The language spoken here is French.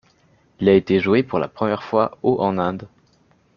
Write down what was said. Il a été joué pour la première fois au en Inde.